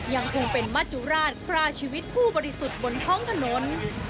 ยังคงเป็นมัจจุราชพราชีวิตผู้บริสุทธิ์บนท้องถนน